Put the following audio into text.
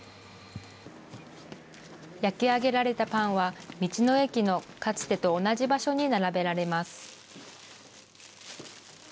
焼き上げられたパンは道の駅のかつてと同じ場所に並べられます。